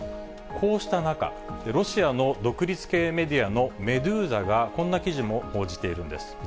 こうした中、ロシアの独立系メディアのメドゥーザが、こんな記事も報じているんです。